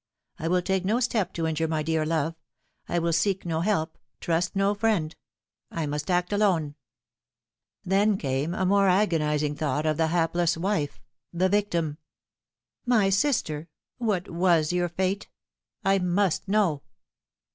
I will take no step to injure my dear love. I will seek no help, trust no friend. I must act alone." Then came a more agonising thought of the hapless wife the victim. 222 The Fatal Three. " My sister ! What was your fate ? I must know."